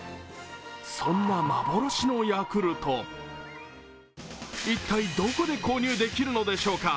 そんな幻のヤクルト、一体どこで購入できるのでしょうか。